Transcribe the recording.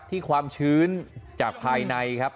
ความชื้นจากภายในครับ